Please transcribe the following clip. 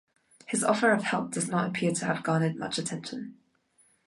His offer of help does not appear to have garnered much attention.